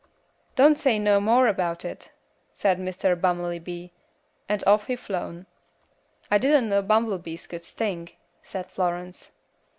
"'Don't say no more about it,' said Mr. Bummelybee, and off he flown." "I didn't know bumblebees could sting," said Florence.